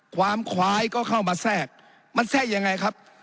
ควายก็เข้ามาแทรกมันแทรกยังไงครับ